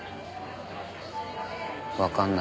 わかんない。